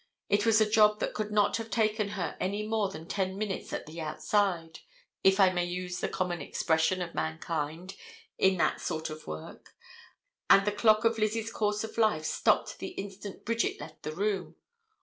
It was a job that could not have taken her any more than ten minutes at the outside, if I may use the common expression of mankind in that sort of work, and the clock of Lizzie's course of life stopped the instant Bridget left the room.